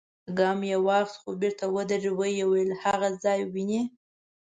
ګام يې واخيست، خو بېرته ودرېد، ويې ويل: هاغه ځای وينې؟